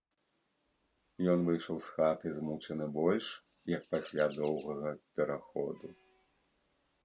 Ён выйшаў з хаты змучаны больш, як пасля доўгага пераходу.